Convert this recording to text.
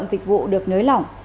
dịch vụ được nới lỏng